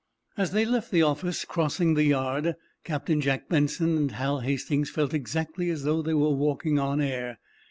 As they left the office, crossing the yard, Captain Jack Benson and Hal Hastings felt exactly as though they were walking on air.